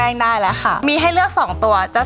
เอามือไปไงครับ